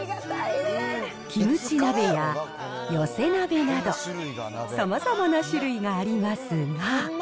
キムチ鍋や寄せ鍋など、さまざまな種類がありますが。